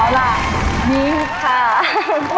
นี่ค่ะ